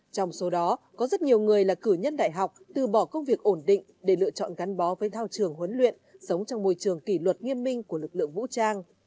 trong số đó có rất nhiều người là cử nhân đại học từ bỏ công việc ổn định để lựa chọn gắn bó với thao trường huấn luyện sống trong môi trường kỷ luật nghiêm minh của lực lượng vũ trang